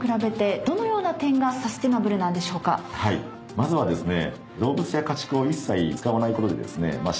まずはですね。